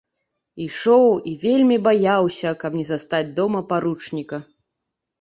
Ішоў і вельмі баяўся, каб не застаць дома паручніка.